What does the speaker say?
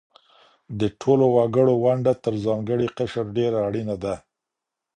د ټولو وګړو ونډه تر ځانګړي قشر ډېره اړينه ده.